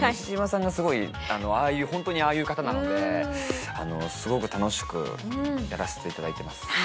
西島さんがすごいホントにああいう方なのですごく楽しくやらせていただいてます。